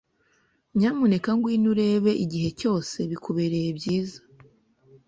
Nyamuneka ngwino urebe igihe cyose bikubereye byiza.